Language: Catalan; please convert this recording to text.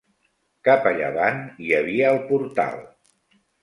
Cap a llevant, hi havia el portal.